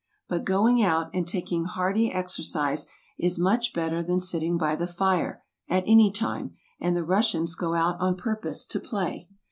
But going out, and taking hearty exercise, is much better than sitting by the fire, at any time: and the Russians go out on purpose to play.